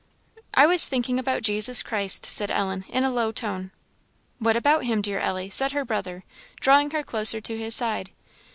"I was thinking about Jesus Christ," said Ellen, in a low tone. "What about him, dear Ellie?" said her brother, drawing her closer to his side.